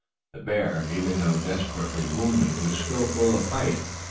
The bear, even though desperately wounded, was still full of fight.